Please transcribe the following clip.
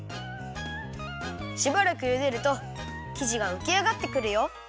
しばらくゆでるときじがうきあがってくるよ。